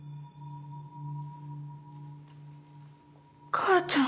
母ちゃん。